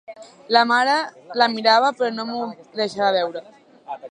La mare la mirava, però no m'ho deixava veure.